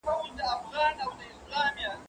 که وخت وي، شګه پاکوم؟